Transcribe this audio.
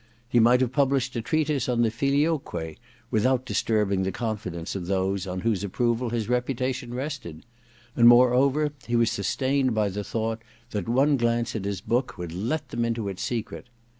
He might have published a treatise on the Filioque without disturbing the confidence of those on whose approval his reputation rested ; in THE DESCENT OF MAN 21 and moreover he was sustained by the thought that one glance at his book would let them into its secret.